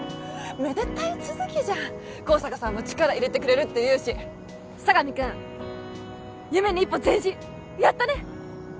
めでたい続きじゃん香坂さんも力入れてくれるっていうし佐神くん夢に一歩前進やったね